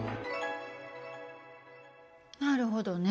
なるほどね。